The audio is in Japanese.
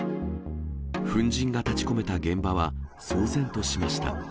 粉じんが立ちこめた現場は騒然としました。